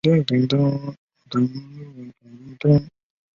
野莴苣为菊科莴苣属的植物。